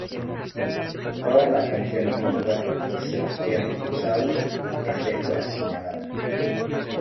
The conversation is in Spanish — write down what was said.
Todas las canciones compuestas por Sebastián Expulsado, excepto las señaladas.